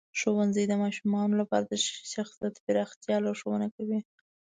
ښوونځی د ماشومانو لپاره د شخصیت پراختیا ته لارښوونه کوي.